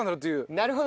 なるほど。